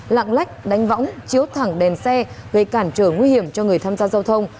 lạng lách đánh võng chiếu thẳng đèn xe gây cản trở nguy hiểm cho người tham gia giao thông